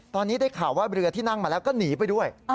ตอนนี้ได้ข่าวว่าเรือที่นั่งมาแล้วก็หนีไปด้วย